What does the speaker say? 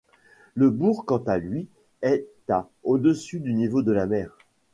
Le bourg quant à lui est à au-dessus du niveau de la mer.